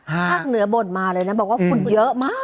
ภาคเหนือบ่นมาเลยนะบอกว่าฝุ่นเยอะมาก